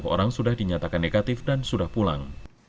dua puluh orang sudah dinyatakan negatif dan sudah pulang